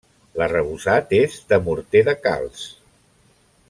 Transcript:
L'arrebossat és de morter de calç.